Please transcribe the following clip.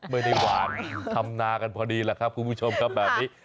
ไม่ได้หวานทำนากันพอดีแหละครับคุณผู้ชมครับแบบนี้